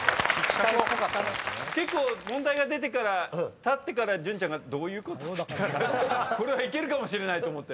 結構問題が出てからたってから潤ちゃんが「どういうこと？」って言ったからいけるかもしれないと思ったよ。